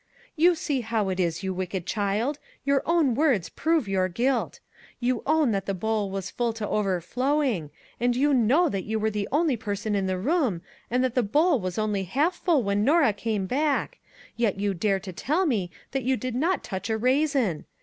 " You see how it is, you wicked child; your own words prove your guilt. You own that the bowl was full to overflowing, and you know that you were the only person in the room, and that the bowl was only half full when Norah came back, yet you dare to tell me that you did not touch a raisin